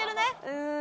うん。